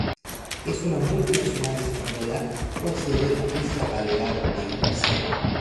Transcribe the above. Es una multinacional española con sede en la Isla Balear de Ibiza.